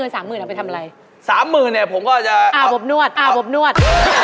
สามหมื่นเอาไปทำอะไรสามหมื่นเนี่ยผมก็จะอ่าอบนวดอ่าบอบนวด